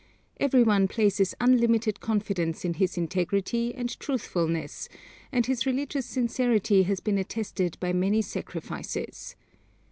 Every one places unlimited confidence in his integrity and truthfulness, and his religious sincerity has been attested by many sacrifices.